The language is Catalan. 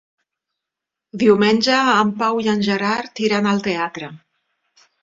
Diumenge en Pau i en Gerard iran al teatre.